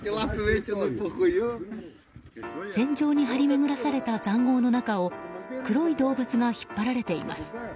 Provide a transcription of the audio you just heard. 戦場に張り巡らされた塹壕の中を黒い動物が引っ張られています。